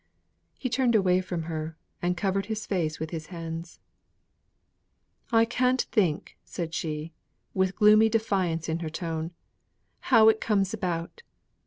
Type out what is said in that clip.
He turned away from her, and covered his face with his hands. "I can't think," said she, with gloomy defiance in her tone, "how it comes about.